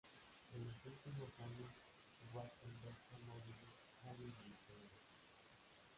En los últimos años subasta inversa móviles han evolucionado.